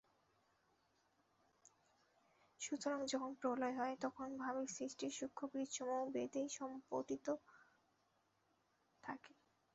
সুতরাং যখন প্রলয় হয়, তখন ভাবী সৃষ্টির সূক্ষ্ম বীজসমূহ বেদেই সম্পুটিত থাকে।